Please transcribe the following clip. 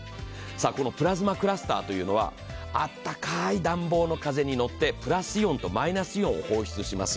このプラズマクラスターというのはあったかい暖房の風に乗ってプラスイオンとマイナスイオンを放出します。